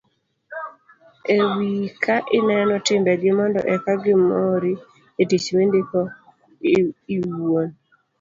e wiyi ka ineno timbegi mondo eka gimori e tich mindiko iwuon